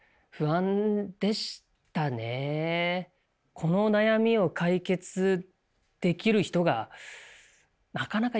この悩みを解決できる人がなかなかいなかったのかな。